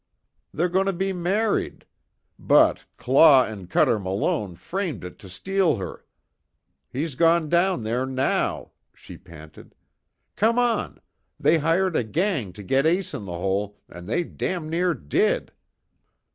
They're goin' to be married. But Claw and Cuter Malone, framed it to steal her! He's gone down there now!" she panted. "Come on! They hired a gang to get Ace In The Hole, and they damn near did!"